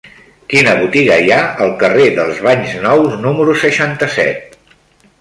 Quina botiga hi ha al carrer dels Banys Nous número seixanta-set?